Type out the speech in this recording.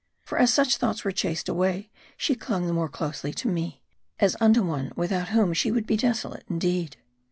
For as such thoughts were chased away, she clung the more closely to me, as unto one without whom she would be desolate indeed.